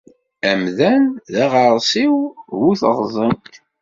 Amdan d aɣersiw bu teɣẓint.